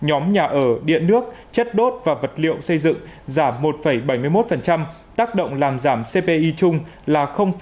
nhóm nhà ở điện nước chất đốt và vật liệu xây dựng giảm một bảy mươi một tác động làm giảm cpi chung là ba mươi năm